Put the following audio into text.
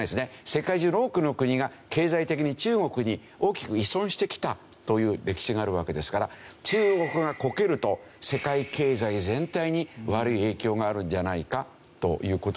世界中の多くの国が経済的に中国に大きく依存してきたという歴史があるわけですから中国がコケると世界経済全体に悪い影響があるんじゃないかという事ですね。